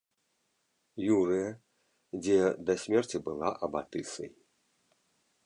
Юрыя, дзе да смерці была абатысай.